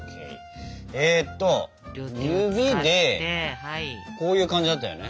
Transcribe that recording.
えっと指でこういう感じだったよね。